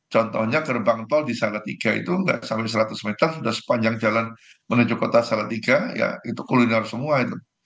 contohnya gerbang tol di salatiga itu nggak sampai seratus meter sudah sepanjang jalan menuju kota salatiga ya itu kuliner semua itu